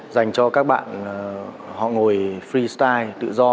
dành cho các bạn họ ngồi freestyle tự do